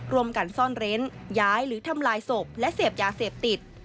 ร่วมกันซ่อนเร้นย้ายหรือทำลายศพและเสพยาเสพติด